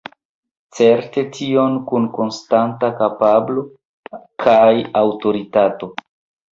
Certe tion kun konstanta kapablo kaj aŭtoritato.